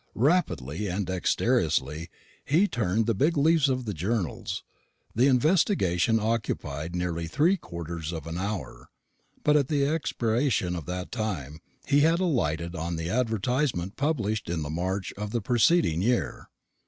Rapidly and dexterously as he turned the big leaves of the journals, the investigation occupied nearly three quarters of an hour; but at the expiration of that time he had alighted on the advertisement published in the March of the preceding year.